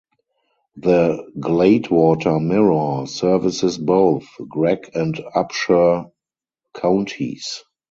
The "Gladewater Mirror" services both Gregg and Upshur counties.